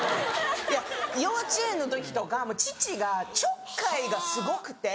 幼稚園の時とか父がちょっかいがすごくて。